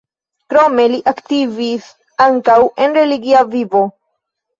Krome li aktivis ankaŭ en religia vivo.